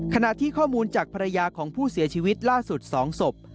ขณะที่ข้อมูลจากภรรยาของผู้เสียชีวิตล่าสุด๒ศพ